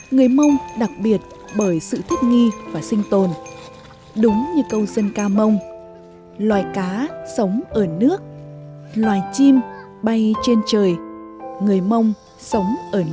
người mông thích nghi với đời sống trên các dãy núi cao trong điều kiện khó khăn nhưng cũng hùng vĩ và thơ mộng